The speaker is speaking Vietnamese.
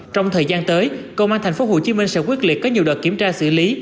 trong thời gian tới công an tp hcm sẽ quyết liệt có nhiều đợt kiểm tra xử lý